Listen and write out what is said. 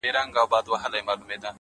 زړه لکه هينداره ښيښې گلي _